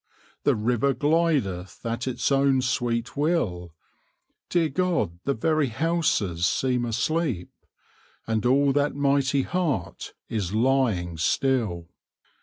The river glideth at his own sweet will: Dear God! the very houses seem asleep; And all that mighty heart is lying still!"